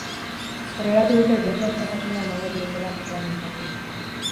Aurreratu dute botu askatasuna emango dietela parlamentariei.